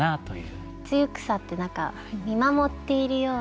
つゆくさって何か見守っているようなね。